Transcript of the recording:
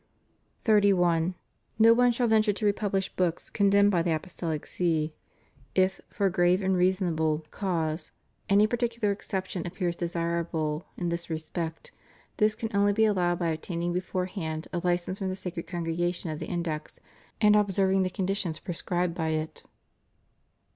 31. No one shall venture to repubhsh books condemned by the Apostolic See. If, for a grave and reasonable 418 THE PROHIBITION AND CENSORSHIP OF BOOKS. cause, any particular exception appears desirable in thT^ respect, this can only be allowed on obtaining beforehand a license from the Sacred Congregation of the Index and observing the conditions prescribed by it.